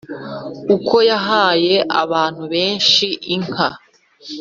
uko yahaye abantu benshi inka